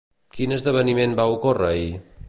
Quin esdeveniment va ocórrer ahir?